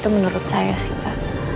itu menurut saya sih pak